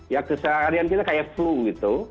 ya keseharian kita kayak flu gitu